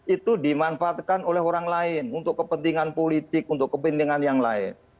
itu dimanfaatkan oleh orang lain untuk kepentingan politik untuk kepentingan yang lain